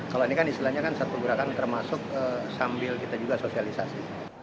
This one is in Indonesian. kalau ini kan istilahnya kan satu gerakan termasuk sambil kita juga sosialisasi